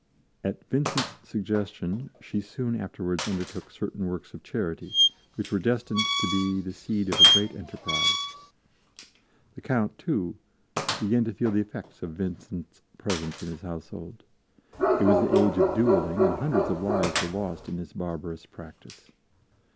At Vincent's suggestion she soon afterwards undertook certain works of charity, which were destined to be the seed of a great enterprise. The Count, too, began to feel the effects of Vincent's presence in his household. It was the age of dueling, and hundreds of lives were lost in this barbarous practice.